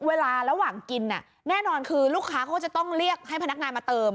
เวลาระหว่างกินแน่นอนคือลูกค้าเขาจะต้องเรียกให้พนักงานมาเติม